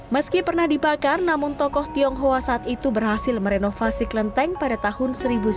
meski pernah dibakar namun tokoh tionghoa saat itu berhasil merenovasi kelenteng pada tahun seribu sembilan ratus sembilan puluh